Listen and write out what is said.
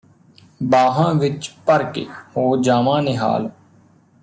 ਬਾਹਾਂ ਵਿੱਚ ਭਰਕੇ ਹੋ ਜਾਵਾਂ ਨਿਹਾਲ